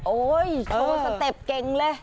โชว์สเต็ปเก่งเลย